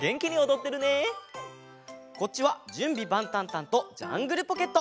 こっちは「じゅんびばんたんたん！」と「ジャングルポケット」！